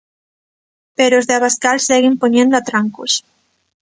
Pero os de Abascal seguen poñendo atrancos.